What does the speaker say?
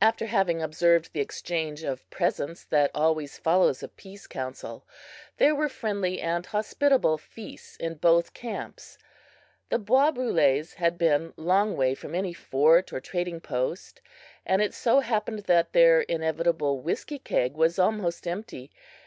After having observed the exchange of presents that always follows a "peace council," there were friendly and hospitable feasts in both camps. The bois brules had been long away from any fort or trading post, and it so happened that their inevitable whiskey keg was almost empty.